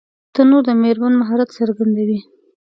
تنور د مېرمنې مهارت څرګندوي